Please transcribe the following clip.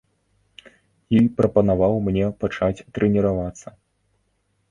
І прапанаваў мне пачаць трэніравацца.